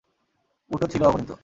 উটও ছিল অগণিত।